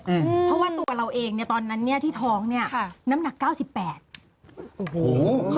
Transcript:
เพราะว่าตัวเราเองตอนนั้นที่ท้องนี่น้ำหนัก๙๘กิโลกรัม